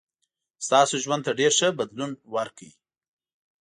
ستاسو ژوند ته ډېر ښه بدلون ورکړ.